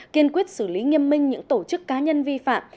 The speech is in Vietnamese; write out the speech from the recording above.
kiên quyết xử lý nghiêm minh những tổ chức cá nhân vi phạm